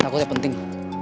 takut ya penting